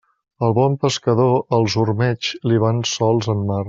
Al bon pescador, els ormeigs li van sols en mar.